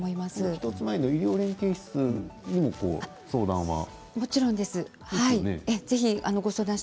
１つ前の医療連携室にも相談は？